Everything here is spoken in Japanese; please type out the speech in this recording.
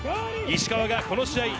石川がこの試合